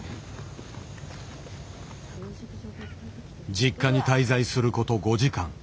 実家に滞在すること５時間。